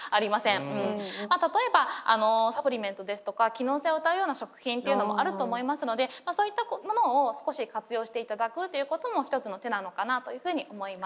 例えばサプリメントですとか機能性をうたうような食品っていうのもあると思いますのでそういったものを少し活用していただくということも一つの手なのかなというふうに思います。